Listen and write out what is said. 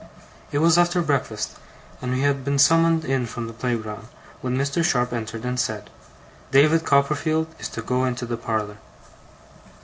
It was after breakfast, and we had been summoned in from the playground, when Mr. Sharp entered and said: 'David Copperfield is to go into the parlour.